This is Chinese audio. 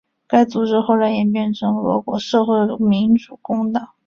该组织后来演变为俄国社会民主工党。